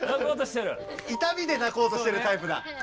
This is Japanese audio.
いたみで泣こうとしてるタイプだ！